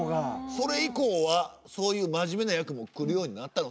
それ以降はそういう真面目な役も来るようになったの？